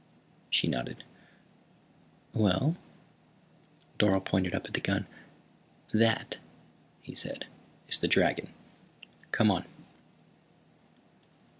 She nodded. "Well?" Dorle pointed up at the gun. "That," he said, "is the dragon. Come on."